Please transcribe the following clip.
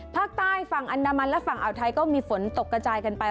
ภาคใต้ฝั่งอันดามันและฝั่งอ่าวไทยก็มีฝนตกกระจายกันไป